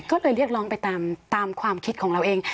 ก็เลยเรียกร้องไปตามความคิดของเราเอง